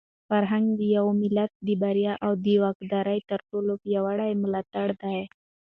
فرهنګ د یو ملت د بریا او د وقار تر ټولو پیاوړی ملاتړی دی.